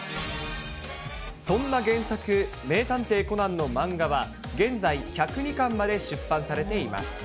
そんな原作、名探偵コナンの漫画は、現在１０２巻まで出版されています。